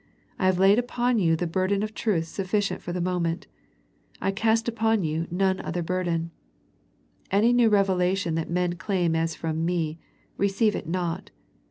I have laid upon you the bur den of truth sufficient for the moment. " I cast upon you none other burden." Any new rev elation that men claim as from Me, receive it not.